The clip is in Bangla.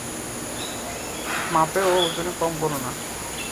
মাপে ও ওজনে কম করো না।